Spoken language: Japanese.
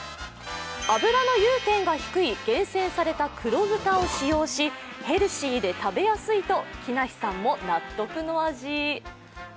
脂の融点が低い厳選された黒豚を使用しヘルシーで食べやすいと木梨さんも納得の味。